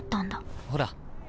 ほら。